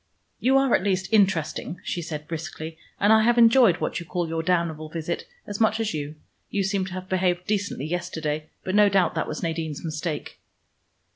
"You are at least interesting," she said briskly, "and I have enjoyed what you call your damnable visit as much as you. You seem to have behaved decently yesterday, but no doubt that was Nadine's mistake."